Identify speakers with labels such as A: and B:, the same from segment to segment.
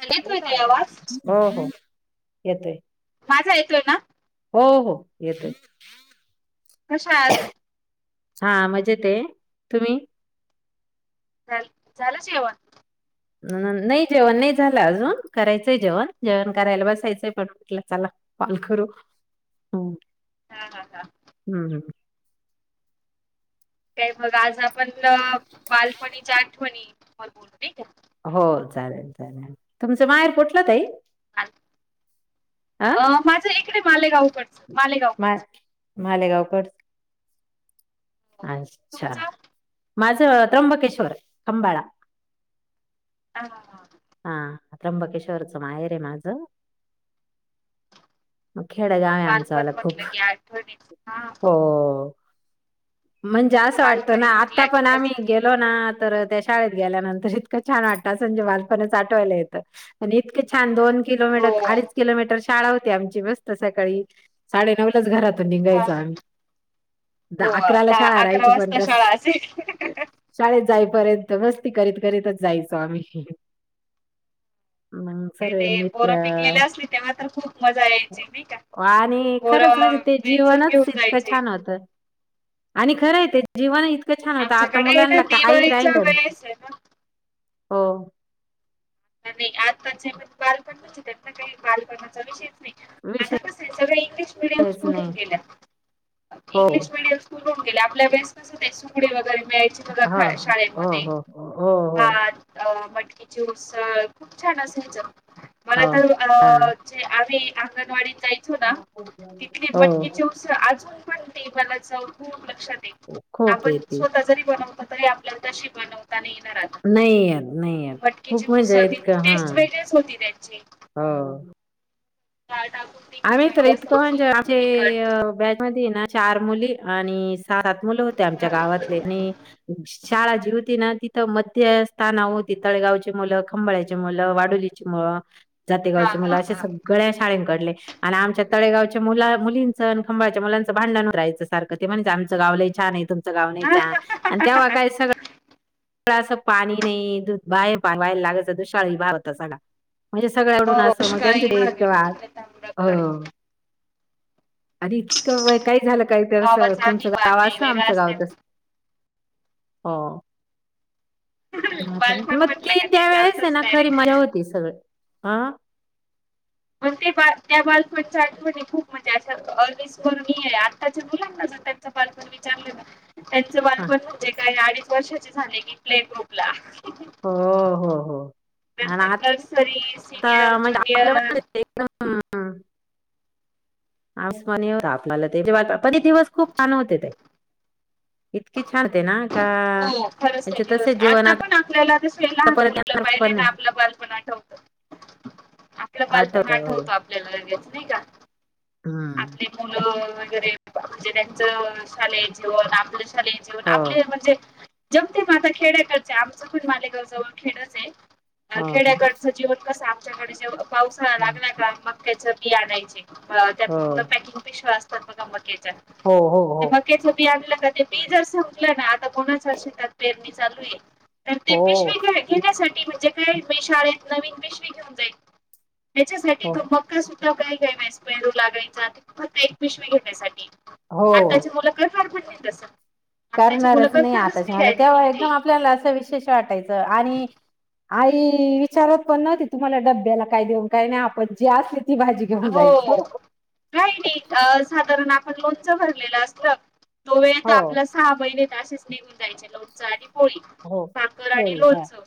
A: येतोय ताई
B: येताय
A: आवाज?
B: हो हो येतोय
A: माझा येतोय ना
B: हो हो येतय
A: कशा आहात
B: हा मजेत आहे तुम्ही
A: झाल झालं जेवण
B: नाही जेवण नाही झालं अजून करायचंय जेवण जेवण करायला बसायचंय पण म्हटलं चला कॉल करू हू
A: हा हा हा
B: हू हू
A: काय बघ आज आपण बालपणीच्या आठवणी वर बोलू नाही का
B: हो चालेल चालेल तुमचं माहेर कुटलं ताई अ
A: माझ इकडे मालेगावकडच मालेगाव
B: मा मालेगावकड अच्छा
A: तुमचं? हा
B: माझ त्र्यंबकेश्वर खंबाळा
A: ह हां हां
B: हा त्र्यंबकेश्वरच माहेर आहे माझं खेड गाव आहे आमच वाल
A: बालपण म्हटलं
B: खूप
A: की आठवणीच हा
B: हो म्हणजे असं वाटत ना
A: बालपणी
B: आता
A: म्हटलं की
B: पण
A: कस
B: आम्ही गेलो लो ना तर त्या शाळेत गेल्यानंतर इतकं छान वाटतं अस म्हणजे बालपण आठवायला येतं आणि इतके छान दोन
A: हो
B: किलोमीटर अडीच किलोमीटर शाळा होती आमची मस्त सकाळी साडेनऊलाच घरातून
A: हा
B: निघायच आम्ही अकराला
A: दहा
B: शाळा
A: अकरा
B: राहायची पण
A: वाजता
B: रस
A: शाळा असायची
B: शाळेत जाईपर्यंत मस्ती करित करितच जायचो आम्ही. आम्हांना
A: ते बोरं पिकलेले असली तेव्हा तर खूप मजा यायची नाही का?
B: आणि खरंच
A: बोरं
B: म्हणजे ते
A: वेचून
B: जीवनच
A: घेऊन
B: इतकं
A: जायचे.
B: छान होतं. आणि खरं आहे ते जीवन इतकं छान होतं आता
A: आमच्याकडे आहे ना
B: मुलांना काही
A: दिवाळीच्या
B: राहिलेलं
A: वेळेस आहे ना
B: हो.
A: नाही आज कालचे बालपण म्हणजे त्यांना काही बालपणाचा विषयचं नाही आता
B: विषयच
A: कस आहे सगळ इंग्लिश मिडियम स्कूल हुन
B: नाही
A: गेल
B: हो
A: इंग्लिश मिडियम स्कु स्कूल होऊन गेले आपल्या वेळेस कस ते सुकडी वगैरे
B: हा
A: मिळायचे
B: हो
A: शाळेमध्ये
B: हो हो हो हो
A: भात मटकीची उ सळ खूप छान असायच मला
B: हो
A: तर अ
B: हा
A: आम्ही अंगणवाडीत जाय चो ना तिथे
B: हो
A: मटकिची उसळ अजून पण ती मला चव खूप लक्षात
B: खूप
A: आपण
B: येते
A: स्वतः जरी बनवतो तरी आपल्याला तशी बनवता नाही येणार
B: नाही येत नाही येत.
A: मटकीची
B: खूप मजा
A: उसळ ती
B: येत का हा
A: टेस्ट वेगळीच होती त्यांची
B: हो
A: टाकून डाळ टाकून ती
B: आम्ही तर
A: खिचडी
B: इतकं म्हणजे
A: असायची
B: आमचे
A: तिखट
B: बॅच मध्ये ये ना चार मुली आणि सात मुलं होते आमच्या
A: हा
B: गावातले आणि शाळा जी होती ना तिथं मध्य स्थानाव होती तळेगावची मुलं खंबाळ्याचे मुलं वाडोली मुळं जातेगावचे मुलं
A: हा
B: अशी
A: हा
B: सगळ्या शाळंकडले आणि आमच्या तळेगावच्या मुला मुलींचं आणि खंबाळच्या मुलांचं भांडणरायचं सारखं ते म्हणजे आमचं गाव लई छान आहे तू मंच गाव नाही चा आणि तवा
A: हा
B: काय सग ळं असं पाणी नाही दूध बाहेर बाहेयला लागायचं दुष्काळी भार होता सगळा म्हणजे सगळ आवडून
A: हो
B: असं मग त्यांचे
A: दुष्काळी
B: ते
A: भाग आहे
B: इतकं
A: ना
B: वा
A: तिकडे
B: हो
A: तांबडकडे
B: आणि इतकं वय काही झालं काही तर
A: गावाचा
B: तुमचं गाव
A: बांधे
B: असं
A: वेगळा
B: आमचं गाव
A: असतात
B: तस हो मं आता
A: बालपण
B: मग
A: म्हटलं
B: ते
A: का
B: त्या वेळेस आहे
A: चालतच
B: ना खरी
A: डायरेक्ट
B: मजा होती सगळी आं
A: मग ते बा त्या बालपणच्या आठवणी खूप म्हणजे असं अविस्मरणीय आहे आ ताच्या मुलांना जर त्यांचं बालपण विचारलं ना त्यांचं
B: हां.
A: बालपण म्हणजे काय अडीच वर्षाचे झाले की प्ले गृप
B: हो हो हो आणि आ
A: नंतर नर्सरी
B: आता
A: सिनियर
B: म्हणजे आपल्या
A: ज्युनियर
B: [unintelligible] [unintelligible] [unintelligible] पहले दिवस खूप छान होते ते इतकीे छान ते ना का
A: हो खरंच ते
B: म्हणजे
A: दिवस
B: तसेच जीवन
A: आता पण आपल्याला तस या लहान
B: परत
A: मुलाला
B: येणार
A: पाहिले
B: पण
A: ना
B: नाही.
A: आपलं बालपण आठवत. आपलं बालपण आठवतं आपल्याला लगेच नाही का?
B: हम्म
A: ती मुलं वगैरे म्हणजे त्यांचं शालेय जेवण आपलं शालेय जेवण
B: हो,
A: आपले म्हणजे जमते म आता खेदड्यातच हे आमचं पण मालेगावजवळ खेडच आहे
B: हो, हो,
A: खेड्याकडचं जीवन कस आमच्याकडे जेव पावसाळा
B: हं.
A: लागला का मग त्याच बी आणायचे त्यात
B: हो,
A: पूर्ण पॅकिंग पिशव्या असतात बघा मक्याच्या
B: हो हो हो
A: मक्याचं बी आणलं का ते बी जर संपलं ना आता कोणाचं शेतात पेरणी चालूय
B: हो
A: पिण्यासाठी म्हणजे काय मी शाळेत नवीन पिशवी घेऊन जाईल, त्याच्यासाठी
B: हो.
A: तो मग सुद्धा काही काय [unintelligible] लागायचा फक्त एक पिशवी घेण्यासाठी
B: हो.
A: आत्ताची मुलं करणार पण नाही तसा
B: करणारच नाही आत्ताची मुलं, तेव्हा
A: डायरेक्टली ते
B: एकदम आपल्याला असं विशेष वाटायचं आणि आई विचारत पण नव्हती तुम्हाला डब्याला काय देऊन काय? आणि आपण जी असेल ती भाजी घेऊन
A: हो,
B: जायचो.
A: काही नाही अ साधारण आपण लोणचं भरलेलं असलं तो वेळ तर
B: हो
A: आपला सहा महिने तर असेच निघून जायचे लोण लोणचं आणि पोळी,
B: हो
A: भाकर आणि
B: होळी हा
A: लोणचं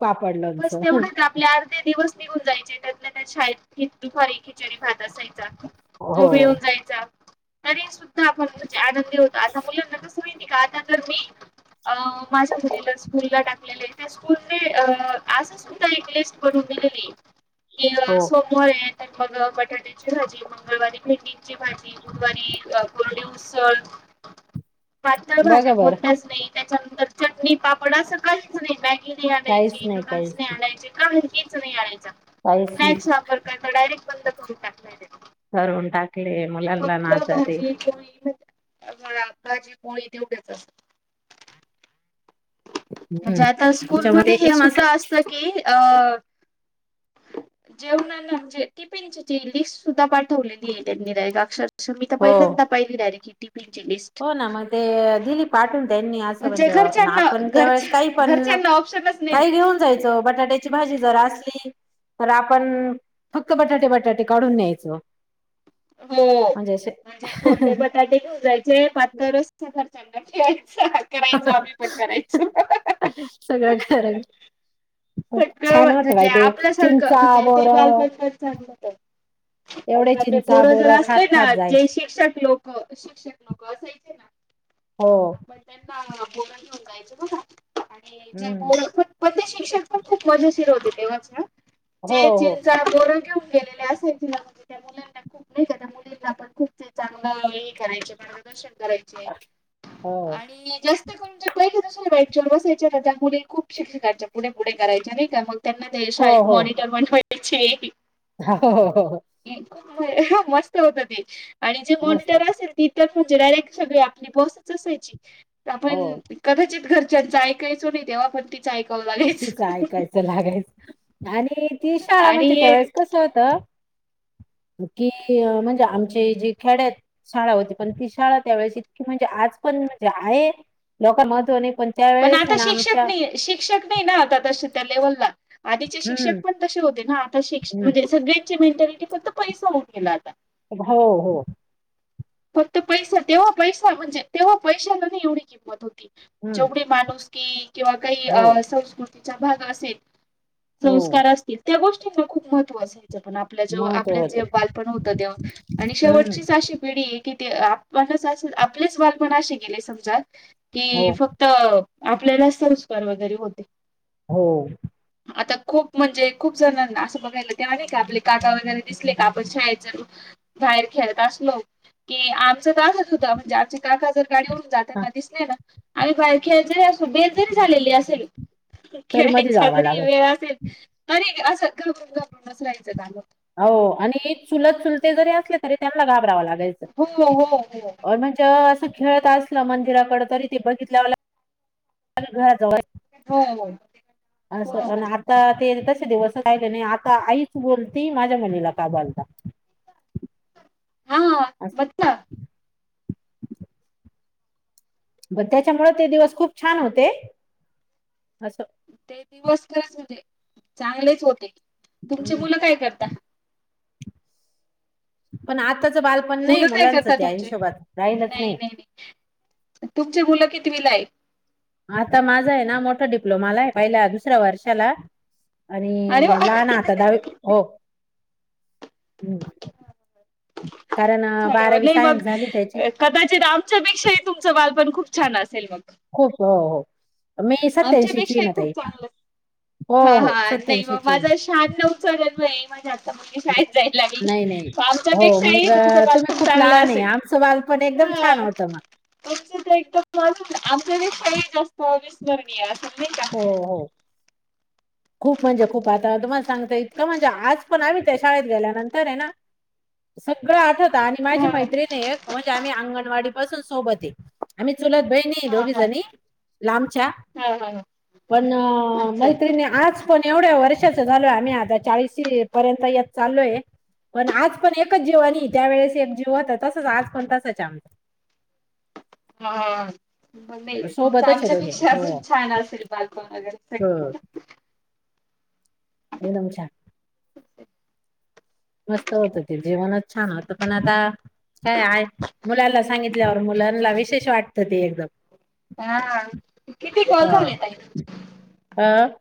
B: पापड लोण
A: बस तेवढंच आपले अर्धे दिवस निघून जायचे त्यातल्या त्यात शाळेत दुपारी खिचडी-भात असायचा तो
B: हो
A: मिळून जायचा, तरी सु द्धा आपण म्हणजे आनंदी होतो, आता मुलांना कसं माहिती का? आता तर मी अ माझ्या मुलीला स्कूलला टाकलेलं आहे त्या स्कूलने अ असं सुद्धा एक लिस्ट बनून दिलेली आहे की
B: हो
A: सो सोमवार आहे तर मग बटाट्याची भाजी, मंगळवारी भेंडींची भाजी गुरवारी कोरडी उसळ
B: [inaudible]
A: पातळ भाज्या
B: बघा बरं
A: कोणत्याच नाही, त्याच्यानंतर चटणी पापड असं काहीच नाही, मॅगी नाही
B: काहीच
A: आणायची.
B: नाही काहीच नाही
A: [unintelligible]
B: काहीच नाही
A: वापरता डायरेक्ट बंद करून टाकतोय
B: करून टाकले मुलांना
A: फक्त
B: नाता ते
A: भाजी, पोळी भाजी पोळी तेवढेच असत. म्हणजे
B: हम्म
A: आता
B: त्याच्यामध्ये
A: स्कूलमध्ये हे
B: एकदम असं
A: सुद्धा असत की अं जेवणाना म्हणजे टिफिनची लिस्ट सुद्धा पाठवलेली आहे त्यांनी अक्षर श मी तर
B: हो
A: पहिल्यांदा पहिली डायरी ची टिफी ची लिस्ट,
B: हो ना मग ते दिली पाठवून त्यांनी असं
A: म्हणजे घरच्यांना
B: आपण
A: घर
B: त्यावेेळेस काही पण
A: घरच्यांना ऑप प्शनच नाही ना.
B: काही घेऊन जायचं बटाट्याची भाजी जरा असली की तर आपण फक्त बटाटे बटाटे काढून न्यायचो
A: हो म्हणजे कोरडेे बटाटे घेऊन जायचे, पातळ रस ते घरच्याना यायच, करायचो आम्ही पण करायचो
B: सगळं कारण
A: [unintelligible]
B: छान होत
A: म्हणजे
B: बाय ते
A: आपल्यासारखं
B: चिंचा
A: म्हणजे ते
B: बोर
A: बालपण पण चांगलं होतं.
B: एवढे चिंच
A: बोर जर असले ना, जे शिक्षक लोक, शिक्षक लोक असायचे ना
B: हो
A: मग त्यांना बोर घेऊन जायचे बघा आणि ज
B: हम्म
A: बोर पण पण ते शिक्षक पण खूप मजेशीर होते तेव्हाचे हां,
B: हो
A: जे
B: हो
A: चिंचा, बोर घेऊन गेले त्यासाठी ना म्हणजे त्या मुलांना खूप नाही का त्या मुलींना पण खूप ते चांगलं हे करायचे मार्गदर्शन करायचे.
B: हो
A: आणि जास जे कोण जे पहिले दुसऱ्या बेंच बसायच्या ना त्या मुली खूप शिक्षकांच्या पुढे पुढे करायच्या नाही का मग त्यांना ते
B: हो
A: शाळेत मॉनिटर पण व्हायचे.
B: हां हो.
A: हां मस्त होत ते आणि जे
B: मस्त
A: मॉनिटर असेल ती म्हणजे डायरेक्ट सगळी आपली बॉसच असायची
B: हो
A: आपण कदाचित घरच्यांचा ऐक कायचो नाही तेव्हा पण ती- चायकामवाले
B: तिचं ऐकायचं लागायचं आणि ती शाळा म्हणजे
A: आणि
B: त्यावेेळेस कस होत- कि म्हणजे आमचे जी खेड्यात- शाळा होती पण ती शाळा त्यावेळेस इतकी म्हणजे आज पण म्हणजे आहे, लोकांन महत्व नाही पण- त्यावेेळेस हे ना आमच्या-
A: शक नाही ना आता तशे त्या लेव्हलला आधीचे शिक्षक
B: हम्म
A: पण तशे होते ना आता शिक्ष
B: हम्म
A: म्हणजे सगळे- मेंटॅलिटी फक्त पैसा होऊन गेला आता.
B: हो हो
A: फक्त पैसा तेव्हा पैसा म्हणजे तेव्हा पैशाला नाही एवढी किंमत होती.
B: हम्म
A: जेवढे माणूसकी किंवा काही
B: हो
A: अ संस्कृतीचा भाग असेल-
B: हो
A: संस्कार असतील त्या गोष्टींना खूप महत्त्व असायचं पण आप- आपल्या जवळ,
B: महत्व
A: आपलं
B: होत
A: जे बालपण होतं तेव्हा आणि
B: हम्म
A: शेवटचीच अशी- पिढी की ते आपणच अस, आपलेच बालपण असे गेले समजा
B: हो
A: की फक्त त आपल्याला संस्कार वगैरे होते.
B: हो.
A: आता खूप म्हणजे खूप जणांना असं बघायला तेव्हा नाही का आपले काका वगैरे दिसले का आपण शाळेेत जातो- बाहेर खेळत असलो- की आमचं तर असंच होतं म्हणजे आमचे काका जर गाडीवरून
B: हा
A: जाताना दिसले ना - आणि बाहेर खेळत जरी असू, बेल जरी झालेली असेल-
B: तरी मधी
A: खेळायचा
B: जावं
A: जरी
B: लागत
A: वेळ असेल तरी असं घाबरून घाबरूनच राहायचं काम होतं.
B: हो आणि चुलत चुलते जरी असले तरी त्यांना घाबरावं लागायचं.
A: हो हो हो.
B: म्हणजे असं खेळत असलं मंदिराकड तरी ते बघितल्या घराजवळ
A: हो हो
B: अस
A: हो
B: होणार. आ ते तसे दिवस राहिले नाही आता आईच बोलती माझ्या मुलीला का बोलता.
A: हा
B: असं.
A: बघता
B: व त्याच्यामुळे ते दिवस खूप छान होते असं.
A: ते दिवस खरच होते, चांगलेच होते, तुमचे मुलं काय करता?
B: पण आत्ताचं बाल-
A: मुलं काय करतात तुमचे? नाही नाही नाही. तुमची मुलं कितविला आहे?
B: आता माझा हेना मोठा डिप्लोमाला आहे पहिल्या दुसऱ्या वर्षाला. आणि
A: अरे वा
B: लहाना आता दहावी, हो हम्म. कारण
A: छान आहे मग
B: बारावी
A: लई मग
B: सायन्स झाली त्याची.
A: अ, कदाचित आमच्यापेक्षाही तुमचं बालपण खूप छान असेल मग.
B: खूप हो हो. मी सत्याऐंशीची आहे ना
A: आमच्यापेक्षाही खूप
B: ताई,
A: चांगलं.
B: हो हो सत्याऐंशीची आहे मी.
A: आठ नउच [unintelligible] हे महिन्यात. आता मुलगी शाळेत जायला लागली.
B: नाही नाही हो
A: आमच्यापेक्षाही
B: मग
A: तुमचं बालपण चांगलं असेल.
B: पण एकदम छान
A: हां,
B: होतं ना.
A: तुमचं तर एकदम अजून आमच्यापेक्षाही जास्त अविस्मरणीय असेल नाही का?
B: हो हो. खूप म्हणजे खूप आता तुम्हाला सांगते इतकं म्हणजे आज पण आम्ही शाळेत गेल्यानंतर आहे ना - सगळं आठव - त आणि माझी
A: हां,
B: मैत्रीण आहे. एक म्हणजे आम्ही अंगणवाडीपासून सोबत आहे आम्ही चुलत बहिणी. की दोघीजणी लांबच्या.
A: हा हा हा,
B: पण मैत्रिणी आज. पण एवढ्या वर्षाचं झालोय आम्ही आता चाळीसीपर्यंत येत चाललोय. पण आज पण एकच जीवनी त्यावेळेस एक जीव होतं. तसंच आज पण तसंच आमचं.
A: हां हां हां, मम्मे तुमचं
B: सोबतच आहे दोघे
A: आमच्यापेक्षा
B: हो
A: अजून छान असेल बालपण
B: हो
A: वगैरे [unintelligible]
B: एकदम छान. मस्त होतं ते जीवनच छान होतं पण आता. काय आहे मुलांना सांगितल्यावर मुलांना विशेष वाटतं ते एकदम.
A: ''हां ''हां''किती कॉल झाले ताई?
B: हां?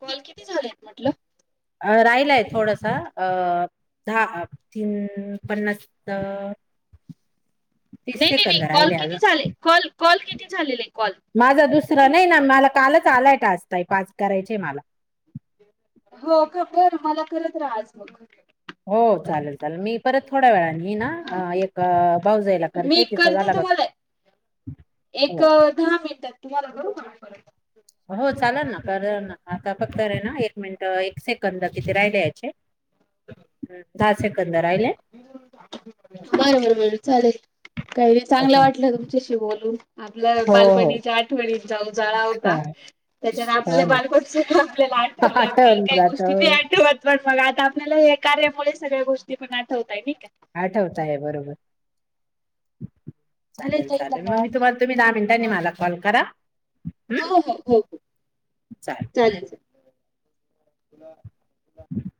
A: कॉल किती झालेत म्हटलं?
B: अ राहिलाय थोडासा अ, दहा अ हम्म पन्नास अ, तीस
A: नाही नाही नाही
B: सेकंद
A: कॉल
B: राहिले
A: किती
B: अजून
A: झाले? कॉल कॉल किती झालेले कॉल?
B: माझा दुसरा नाही ना मला कालच आलाय टास्क ताई पाच करायचे मला.
A: हो बर मला करत राहा आज मग.
B: हो चालेल चालेल मी. परत थोड्या वेळाने ह
A: हा.
B: ना एक बाऊज यायला
A: मी
B: करते तिचां झाला का,
A: तुम्हाला एक
B: हो,
A: अ, दहा मिनिटात तुम्हाला करू का,
B: हो चालाल ना कारण आता फक्त रे ना एक मिनिटं एक सेकंद किती राहिला ह्याचे. हम, दहा सेकंद राहिलेय.
A: बर बर बर चालेल. तरी बी
B: हो
A: चांगलं वाटलं तुमच्याशी बोलून आपलं
B: हो हो
A: बालपणीच्या आठ''--'' ठवणीतचा जाळा होता.
B: हां,
A: त्याच्यावर
B: हो
A: आपल्याला
B: ना
A: बालपणच आपल्याला आठवलं काही काही गोष्टी नाही आठवत. पण बघा आता आपल्याला हे कार्यामुळे सगळ्या गोष्टी पण आठवतय नाही का,
B: आठवताय बरोबर. चालेल
A: ताई
B: चालेल मग मी
A: धन्यवाद
B: तुम्हाला तुम्ही दहा मिनटांनी मला कॉल करा.
A: हो
B: हम्म
A: हो हो हो, चालेल चालेल.
B: [inaudible]